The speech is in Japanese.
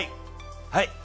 はい。